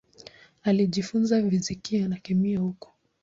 Alijifunza fizikia na kemia huko.